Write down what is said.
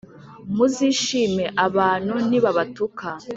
Muzishime abantu nibabatuka.